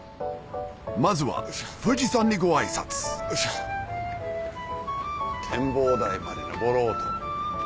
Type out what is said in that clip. まずは富士山にごあいさつ展望台まで上ろうと。